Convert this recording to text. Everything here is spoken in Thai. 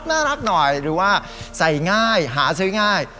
น่ารักหน่อยหรือว่าใส่ง่ายหาซื้อง่าย